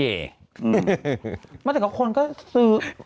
เมื่อแต่ว่าคนก็ซื้อ